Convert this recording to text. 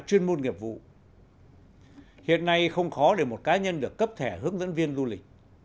chuyên môn nghiệp vụ hiện nay không khó để một cá nhân được cấp thẻ hướng dẫn viên du lịch